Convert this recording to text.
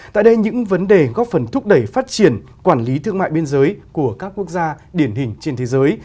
tại đây những vấn đề góp phần thúc đẩy phát triển quản lý thương mại biên giới của các quốc gia điển hình trên thế giới